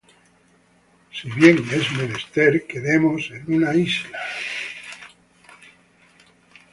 Si bien es menester que demos en una isla.